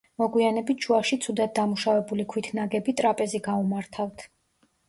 მოგვიანებით შუაში ცუდად დამუშავებული ქვით ნაგები ტრაპეზი გაუმართავთ.